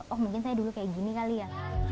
oh mungkin saya dulu kayak gini kali ya